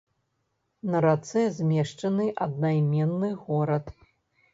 На рацэ змешчаны аднайменны горад.